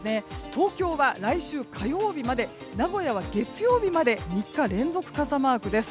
東京は来週火曜日まで名古屋は月曜日まで３日連続傘マークです。